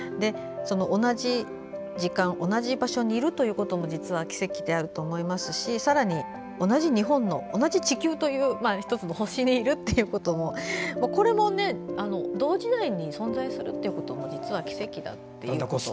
同じ時間同じ場所にいるということも実は奇跡であると思いますしさらに、同じ日本の同じ地球という１つの星にいることも同時代に存在するということも実は奇跡だっていうこと。